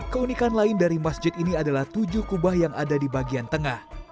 keunikan lain dari masjid ini adalah tujuh kubah yang ada di bagian tengah